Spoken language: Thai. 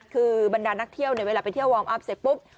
คือบรรดานักเที่ยวเนี่ยเวลาไปเที่ยววอร์มอัพเสร็จปุ๊บ